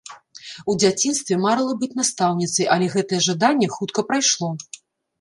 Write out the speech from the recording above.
У дзяцінстве марыла быць настаўніцай, але гэтае жаданне хутка прайшло.